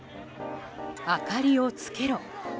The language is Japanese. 明かりをつけろ！